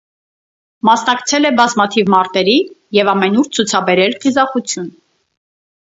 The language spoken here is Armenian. Մասնակցել է բազմաթիվ մարտերի և ամենուր ցուցաբերել խիզախություն։